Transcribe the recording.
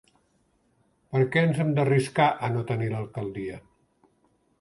Per què ens hem d’arriscar a no tenir l’alcaldia?